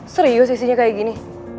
serius isinya kayak gini